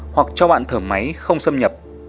hoặc cho bạn thở máy không xâm nhập